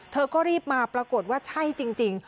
เธอก็รีบมาปรากฏว่าใช่จริง